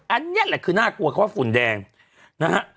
อันนี้แหละคือน่ากลัวเขาว่าฝุ่นแดงนะฮะ